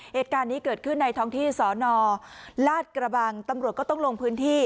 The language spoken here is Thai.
เหตุการณ์นี้เกิดขึ้นในท้องที่สนลาดกระบังตำรวจก็ต้องลงพื้นที่